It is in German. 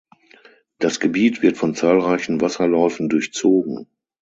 Das Gebiet wird von zahlreichen Wasserläufen durchzogen.